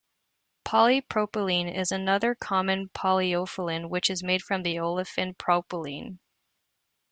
Polypropylene is another common polyolefin which is made from the olefin propylene.